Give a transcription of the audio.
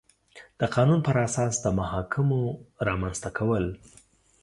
د قانون پر اساس د محاکمو رامنځ ته کول